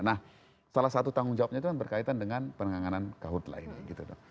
nah salah satu tanggung jawabnya itu kan berkaitan dengan penanganan kahutlah ini gitu